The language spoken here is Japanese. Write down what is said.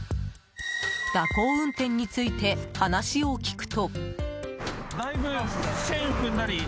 蛇行運転について話を聞くと。